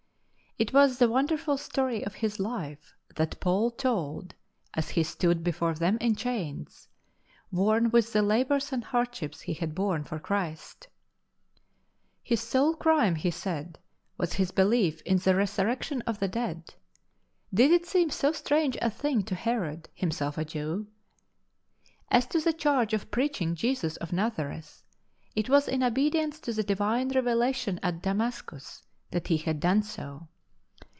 It was the wonderful story of his life that Paul told as, he stood before them in chains, worn with the labours and hardships he had borne for Christ. 'His sole crime, he said, was his belief in the resurrection of the dead. Did it seem so strange a thing to Herod, himself a Jew ? As to the charge of preaching Jesus of Nazareth, it was in obedience to the Divine revelation at Damascus that he had done so.